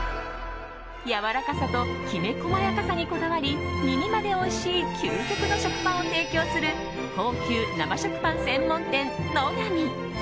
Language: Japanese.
やわらかさときめ細やかさにこだわり、耳までおいしい究極の食パンを提供する高級生食パン専門店、乃が美。